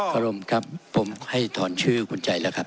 อารมณ์ครับผมให้ถอนชื่อคุณใจแล้วครับ